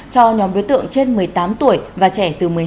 cho nhóm đối tượng trên một mươi tám tuổi và trẻ từ một mươi hai